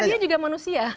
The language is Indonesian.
karena dia juga manusia